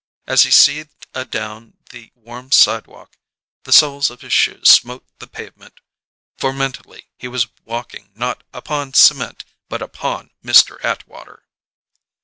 As he seethed adown the warm sidewalk the soles of his shoes smote the pavement, for mentally he was walking not upon cement but upon Mr. Atwater.